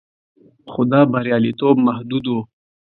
خو دا بریالیتوب محدود و